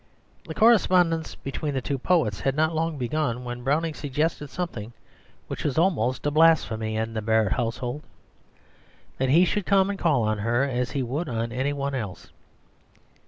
The correspondence between the two poets had not long begun when Browning suggested something which was almost a blasphemy in the Barrett household, that he should come and call on her as he would on any one else.